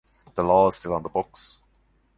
The law is still on the books.